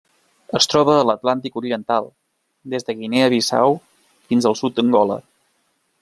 Es troba a l'Atlàntic oriental: des de Guinea Bissau fins al sud d'Angola.